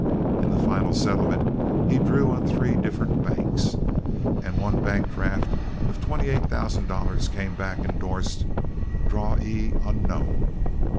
In the final settlement, he drew on three different banks, and one draft of twenty eight thousand dollars came back, indorsed, DRAWEE UNKNOWN.